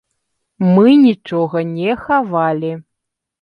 Мы нічога не хавалі.